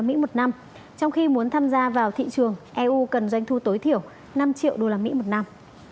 mỹ một năm trong khi muốn tham gia vào thị trường eu cần doanh thu tối thiểu năm triệu usd một năm